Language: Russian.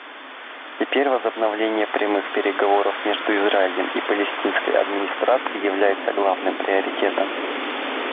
Теперь возобновление прямых переговоров между Израилем и Палестинской администрацией является главным приоритетом.